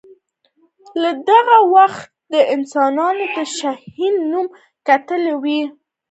له دغه وخته یې د انسانانو د شهین نوم ګټلی وي.